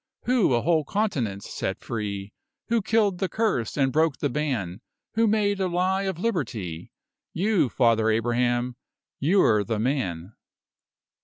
Who a whole continent set free? Who killed the curse and broke the ban Which made a lie of liberty? You, Father Abraham you're the man!